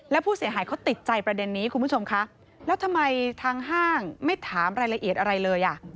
แล้วผู้เสียหายเขาติดใจประเด็นนี้คุณผู้ชมคะแล้วทำไมทางห้างไม่ถามรายละเอียดอะไรเลยอ่ะ